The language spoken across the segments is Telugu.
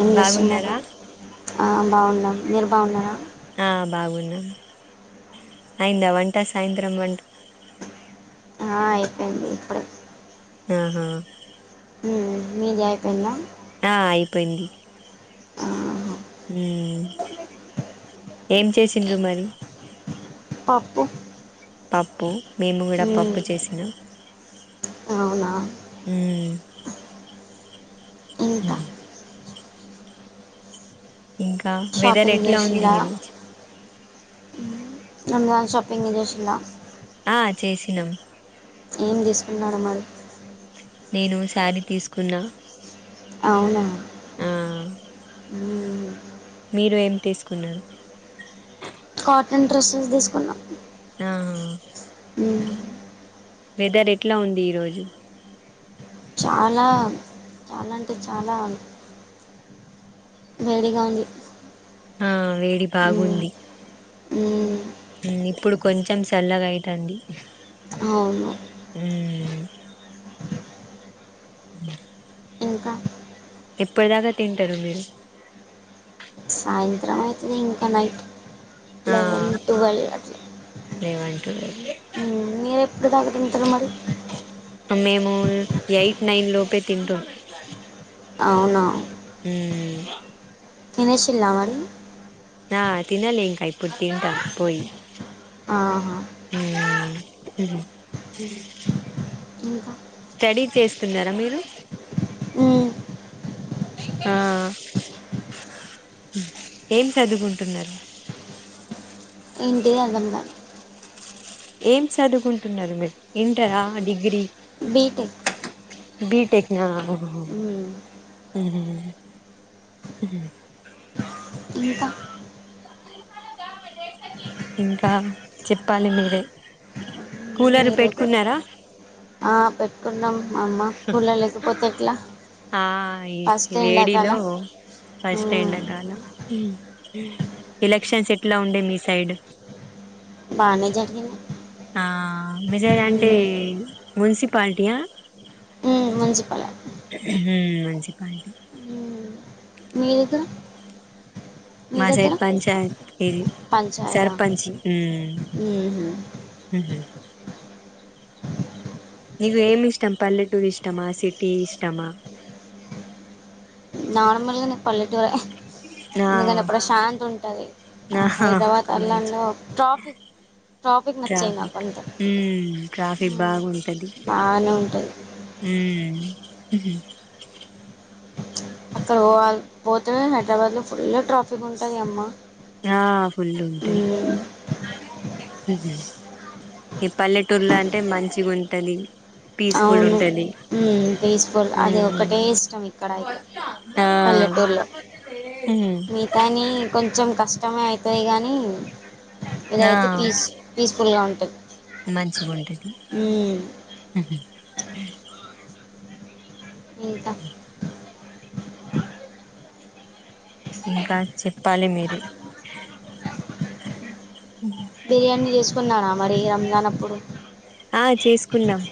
ఏం చేస్తున్నారు బాగున్నారా ఆ బావున్నాం ఆ బాగున్నా అయిందా వంట సాయంత్రం వంట ఆ అయిపోంది ఇప్పుడే ఆహా ఉమ్ మీ జయిపోయిందా ఆ అయిపోయింది ఆ ఉమ్ ఏం చేసిండ్రు మరి పప్పు పప్పు మేము గూడా మ్మ్, పప్పు చేసిన అవునా ఉమ్ ఉంటా ఇంకా వెదర్ షాపింగ్ ఎట్లా ఉంది చేసిందా ఈరోజు రంజాన్ షాపింగు జెషింల్ల ఆ చేసినాం ఏం దీసుకున్నాడొ మరి నేను శారీ తీసుకున్నా అవునా ఆ ఊ మీరు ఏం తీసుకున్నారు కాటన్ డ్రెస్సెస్ దీసుకున్నా ఆ ఉ వెదర్ ఎట్లా ఉంది ఈరోజు చాలా చాలా అంటే చాలా వేడిగా ఉంది ఆ వేడి మ్మ్. బాగుంది మ్మ్. మ్ ఇప్పుడు కొంచెం సల్లగైతాంది అవును మ్ ఉ ఇంకా ఎప్పుడుదాక తింటరు మీరు సాయంత్రం అయితది ఇంకా నైట్ ఆ లెవెన్ టుల్వ్ అట్ల లేవంటున్నారు ఉమ్ మీరెప్పుడు దాకతింటరు మరి [unintelligible] ఎయిట్ నైన్ లోపే తింటు అవునా ఊ తినేషిల్లా మరి నా తినలే ఇంకా ఇప్పుడు తింటా పోయి ఆహ [inaudible] ఇంకా స్టడీ చేస్తున్నారా మీరు మ్మ్. ఆ ఏం సదుకుంటున్నారు ఇంటి అర్దం ల ఏం సదువుకుంటున్నారు మీరు ఇంటరా డిగ్రీ బీటెక్ బిటెక్ నా మ్ మ్మ్. హ ఇంకా ఇంకా చెప్పాలి మీరే కూలరు మీరైతే పెట్టుకున్నారా ఆ పెట్టుకున్నాం మా అమ్మకూలర్ లేకపోతే ఎట్లా ఆ ఈ ఫస్ట్ వేడిలో ఎండాకాలం ఫస్ట్ ఎండ మ్మ్. కాలం ఎలెక్షన్స్ ఎట్ల ఉండే మీ సైడ్ బాగానే జరిగింది ఆ మెసేజ్ అంటే మ్మ్. మున్సిప్ పాల్టీయా మంజిప్పాల ఉహు మంచి పాయింటు మ్మ్. మీ దగ్గర మీ మా దగ్గర సైడ్ పంచాయిత్ ఇది పంచాయతా సర్పంచి మ్మ్. అహ నీగు ఏమి ఇష్టం పల్లెటూర్ ఇష్టమా సిటీ ఇష్టమా నార్మల్ గా నాకు పల్లెటూరే హ్హ్ నా ఎందుకంటే ప్రశాంత్ ఉంటది ఆ నాహా హైదరాబాద్ మంచి అల్లండ్లో ట్రాఫిక్ ట్రాఫిక్ నచ్చయి నా కొంచెం టె బాగుంటది ఊమ్ ఉహుమ్ అక్కడ ఒవాలి పోతేనె హైదరాబాద్ లో ఫుల్ ట్రాఫిక్ ఉంటది అమ్మ ఆ ఫుల్లు ఉంటయ్ మ్మ్ ఊహు ఈ పల్లెటూర్లో అంటే మంచిగుంటది అవును ఊమ్ ఫీస్ ఫుల్ అది హ్మ్ ఒక్కటే ఇష్టం ఇక్కడ అయితే ఆ పల్లెటూర్లో హ్మ్ మిగతాని కొంచెం కష్టమే ఐతది గానీ ఆ ఇదైతే పీస్ పీస్ ఫుల్గా ఉంటది మంచిగుంటది మ్మ్ ఊహ్మ్ ఉమ్ ఇంకా ఉమ్ ఇంకా చెప్పాలి మీరే బిర్యానీ జేసుకున్నారా మరి రంజాన్ అప్పుడు ఆ చేసుకున్నాం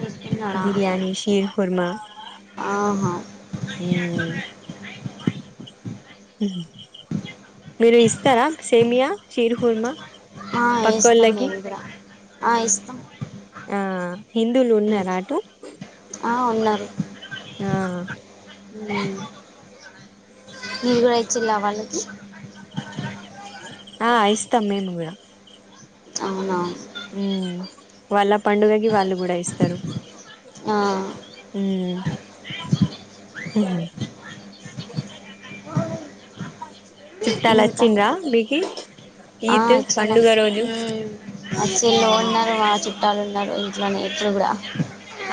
చేసుకున్నాడా బిర్యానీ షీర్ కుర్మా ఆహ ఊ మీరు ఇస్తారా సేమ్యా షీర్ కుర్మ అ ఇస్తం మేము గుడా ఆ ఇస్తం ఆ హిందువులు ఉన్నార అటు ఆ ఉన్నారు ఆ మీరు గుడ ఇచ్చిల్లా వాళ్ళకి ఆ ఇస్తం మేము గుడా అవునా వాళ్ళ పండుగకి వాళ్ళు గూడా ఇస్తరు ఆ ఊ ఊహ్మ్ ఇంకా చుట్టాలొచ్చిండ్రా మీకి ఆ ఈద్ అచ్చినం పండుగ రోజు ఊమ్ అచిల్లు మ్మ్ ఉన్నారు మా చుట్ ట్టాలు ఉన్నారు ఇంట్లోనే ఇప్పుడు గుడ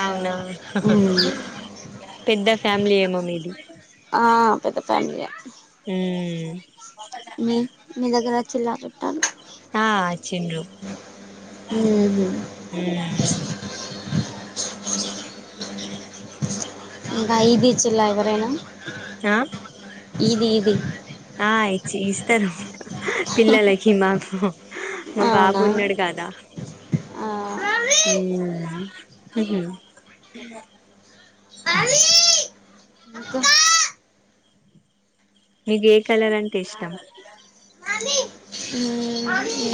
అవునా ఆహా హ పెద్ద ఫ్యామిలీ ఏమో మీది ఆ పెద్ద ఫ్యామిలి ఏ ఊమ్ మీ మీ దగ్గర అచ్చిల్లా చుట్టాలు చిండ్రు ఊహ్మ్ బైదిచ్చిల్ల ఎవరైనా చా ఇది ఇది ఆ ఇచ్చ ఇస్తారు పిల్లలకి మాకు హ మా బాబు అవునా ఉన్నాడు కాదా ఆ ఊమ్ ఊహ్మ్ ఉహు నాకు మీదే కలర్ అంటే ఇష్టం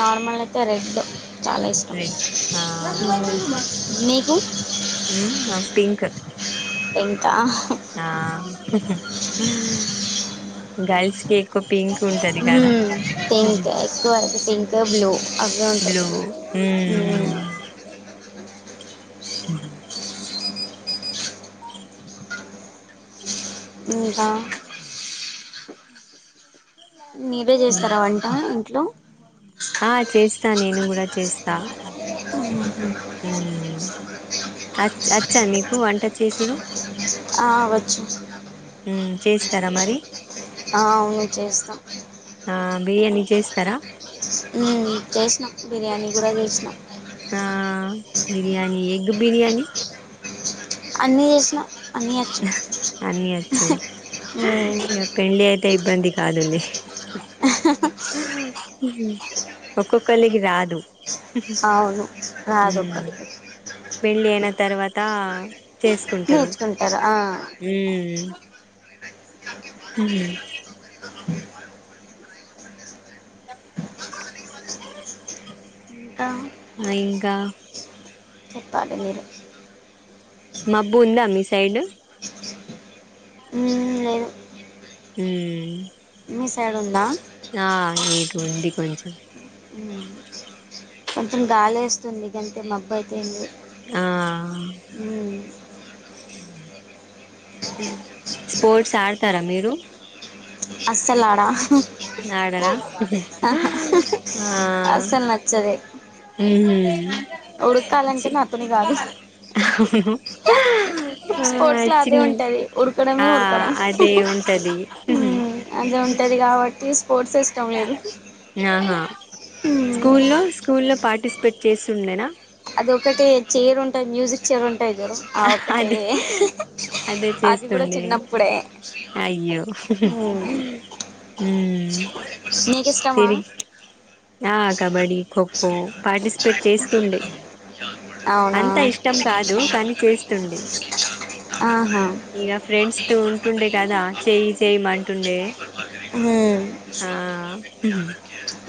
నార్మల్ అయితే రెడ్డు చాలా ఇష్టం రెడ్ ఆ మీకు ఉ నాకు పింక్ పింకా ఆ గర్ల్స్ కి ఎక్కువ పింక్ ఉంటది ఊ కదా పింక్ ఎక్కువ పింక్ బ్లూ అవి ఉంటాయి బ్లూ మ్మ్. ఊమ్ ఉహు ఇంకా మీరే జేస్తారా వంట ఇంట్లో ఆ చేస్తా నేను కూడా చేస్తా ఉ అచ్ ఆచ్చా మీకు వంట చేసుడు ఆ వచ్చు చేస్తారా మరి ఆ అవును చేస్తాం ఆ బిర్యానీ చేస్తారా! ఊ చేసినా బిర్యానీ కూడా చేసినా ఆ బిర్యానీ ఎగ్ బిర్యానీ అన్నీ చేసినా అన్నీ వచ్చు అన్ని వచ్చు ఊ తే ఇబ్బంది కాదులే ఒక్కొక్కలికి రాదు అవును ఉ రాదు ఒకటి పెళ్ళి అయిన తర్వాత చేసుకుంటారు నేర్చుకుంటారు ఆ. ఊ ఉహ్ ఇంకా ఆ ఇంకా చెప్పాలి మీరు మబ్బు ఉందా మీ సైడ్ మ్మ్ లేదు ఊ మీ సైడు ఉందా ఆ ఇటు ఉంది కొంచెం మ్మ్ కొంచెం గాలి వేస్తుంది గంతే మబ్బు అయితే ఎం లేదు ఆ స్పోర్ట్స్ ఆడతారా మీరు అసలు ఆడ ఆడరా ఆ అసలు నచ్చదు ఉమ్ ఉరకాలంటే చి నాతోని కాదు ఆ స్పోర్ట్స్ లో అదే చిన్ ఉంటది ఉరకడమే ఆ ఉరకడం అదే ఉంటది ఉ అదే ఉంటది ఉంటది కాబట్టి స్పోర్ట్స్ ఎ ఇష్టం లేదు ఆహా స్కూల్లో స్కూల్లో పార్టిసిపేట్ చేస్తుండేనా అది ఒకటె చైర్ ఉంటది మ్యూజిక్ చైర్ ఇద్దరూ ఆ ఒకటే అదే అదే అది కూడా చేస్తుండే చిన్నప్పుడే అయ్యో మ్మ్ నీకి ఇష్టమా తిరిగి ఆ కబడ్డీ ఖోఖో పార్టిసిపేట్ చేస్తుండే అవునా అంతా ఇష్టం కా కాదు కానీ చేస్తుండే ఆహా ఇగ ఫ్రెండ్స్ తో ఉంటుండే కదా చేయి చేయ్యమంటుండే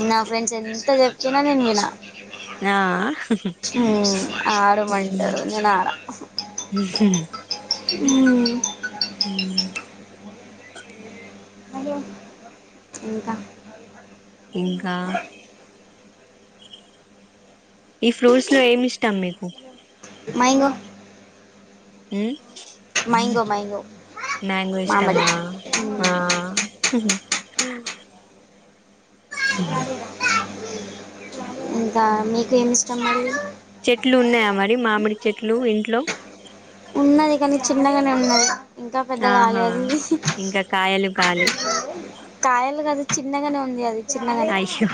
ఊ నా ఫ్రెండ్స్ ఎంత చెప్పిన నేను విన ఆ ఊ ఆడమంటారు నేను ఆడ ఊ ఉమ్, ఇంకా ఇంకా ఈ ఫ్రూట్స్ లో ఏమి ఇష్టాం మీకు మైంగో ఉ మైంగో మైంగో మ్యాంగో మామిడి ఇష్టమా ఉమ్, ఆ ఊ ఉ ఇంకా మీకు ఏమి ఇష్టం మళ్ళీ చెట్లు ఉన్నాయా మరి మామిడి చెట్లు ఇంట్లో ఉన్నయి గానీ చిన్నగానే ఉన్నయి ఇంకా పెద్దగా ఆహా ఎన్ని ఇంకా కాయలు కాలి కాయలు కదా చిన్నగానే ఉం అది చిన్నగా అయ్యో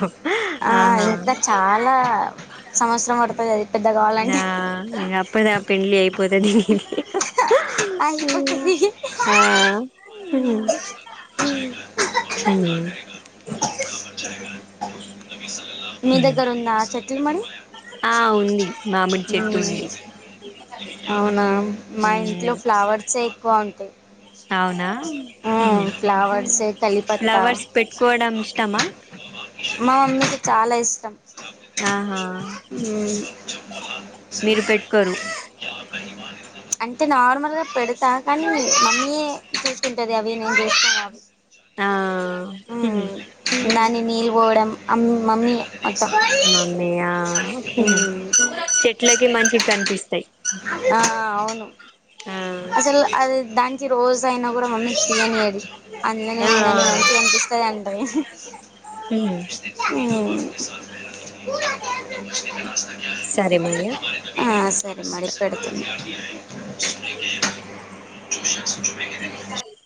ఆ ఆహా ఇంకా చాలా సంవత్సరం పడుతుంది అది పెద్ద నా కావాలంటే అప్పడుదా పెళ్లి అయిపోతది ఇహిహి అయిపోతుంది ఆ ఊ ఉ ఊ మీ దగ్గర ఉందా చెట్ల్ మరి ఆ ఉంది మామిడి అ చెట్టు ఉంది అవునా మైండ్ ఇంట్లో మ్ ఫ్లవర్స్ఎ ఎక్కువ ఉంటాయి. అవునా ఆ ఫ్లావర్స్ ఎ కలిపత్తా ఫ్లవర్స్ పెట్టుకోవడం ఇష్టమా మా మమ్మీకి చాలా ఇష్ ఆహా మీరు పెట్టుకోరు అంటే నార్మల్ గా పెడతా కానీ మమ్మీ ఎ చూసి ది అవి నేను చేస్తాను ఆ ఉ దాన్ని నీళ్ళ పోవడం అమ్ మమ్మీ మొత్తం మమ్మీయా మ్మ్ చెట్లకి మంచి కనిపిస్తాయి. ఆ అవును అసలు అది దానికి రోజు అయినా కూడా మమ్మీ తీయనియది. అందంగా ఆ ఉందని మంచిగా అనిపిస్తది అంటది. ఆ ఉ సరే మారియా మడిపెడత నేనయితాన్